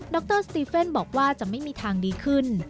รสตีเฟนบอกว่าจะไม่มีทางดีขึ้น